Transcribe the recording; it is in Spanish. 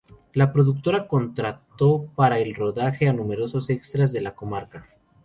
La productora contrató para el rodaje a numerosos extras de la comarca.